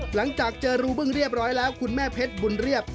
หลังจากเจอรูบึ้งเรียบร้อยแล้วคุณแม่เพชรบุญเรียบ